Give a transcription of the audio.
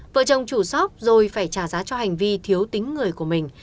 vợ chồng chủ sóc rồi phải trả giá cho hành vi thiếu tính người của mình